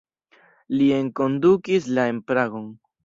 Li enkondukis la en Pragon.